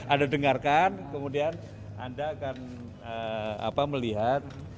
anda dengarkan kemudian anda akan melihat